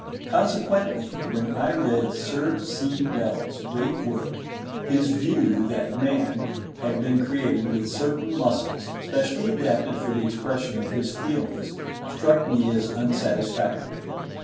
Consequently, when I read Sir C. Bell's great work, his view, that man had been created with certain muscles specially adapted for the expression of his feelings, struck me as unsatisfactory.